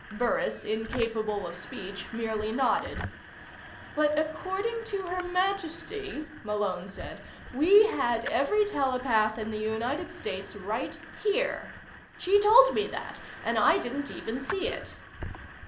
Burris, incapable of speech, merely nodded. "But according to Her Majesty," Malone said, "we had every telepath in the United States right here. She told me that and I didn't even see it!"